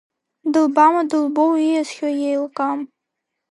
Дылбама, дылбоу ииасхьоу иеилкаам…